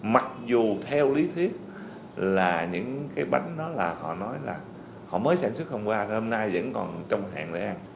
mặc dù theo lý thiết là những cái bánh đó là họ nói là họ mới sản xuất hôm qua hôm nay vẫn còn trong hẹn để ăn